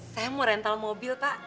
saya mau rental mobil pak